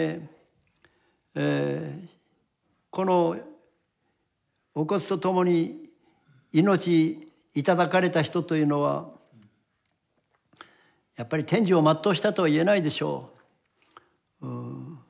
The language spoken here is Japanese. このお骨とともに命いただかれた人というのはやっぱり天寿を全うしたとは言えないでしょう。